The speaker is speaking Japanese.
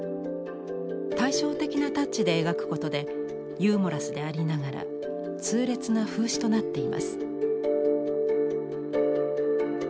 対照的なタッチで描くことでユーモラスでありながら痛烈な風刺となっています。